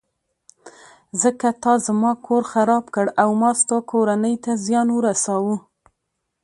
ځکه تا زما کور خراب کړ او ما ستا کورنۍ ته زیان ورساوه.